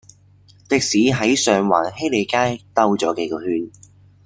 的士喺上環禧利街兜左幾個圈